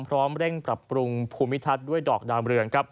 พร้อมเร่งปรับปรุงภูมิทรัฐด้วยดอกดาลเรือน